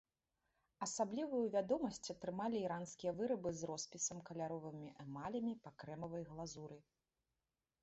Асаблівую вядомасць атрымалі іранскія вырабы з роспісам каляровымі эмалямі па крэмавай глазуры.